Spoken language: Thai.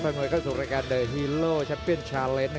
ภารกิจสุดท้ายภารกิจสุดท้ายภารกิจสุดท้าย